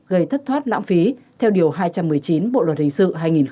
gây thất thoát lãng phí theo điều hai trăm một mươi chín bộ luật hình sự hai nghìn một mươi năm